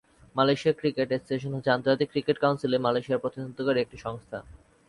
মালয়েশিয়ার cricket association হচ্ছে আন্তর্জাতিক ক্রিকেট কাউন্সিলে মালয়েশিয়ার প্রতিনিধিত্বকারী একটি সংস্থা।